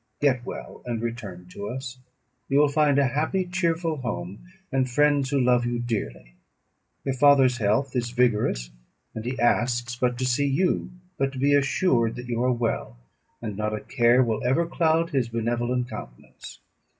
"Get well and return to us. You will find a happy, cheerful home, and friends who love you dearly. Your father's health is vigorous, and he asks but to see you, but to be assured that you are well; and not a care will ever cloud his benevolent countenance.